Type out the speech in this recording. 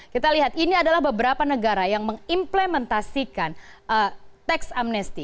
kita lihat ini adalah beberapa negara yang mengimplementasikan tax amnesti